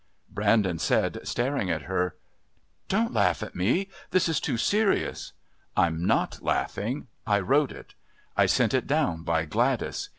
Brandon said, staring at her, "Don't laugh at me. This is too serious." "I'm not laughing. I wrote it. I sent it down by Gladys.